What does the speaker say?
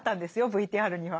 ＶＴＲには。